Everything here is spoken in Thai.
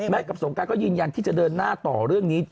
กับสงการก็ยืนยันที่จะเดินหน้าต่อเรื่องนี้